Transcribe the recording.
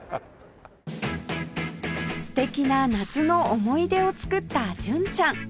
素敵な夏の思い出を作った純ちゃん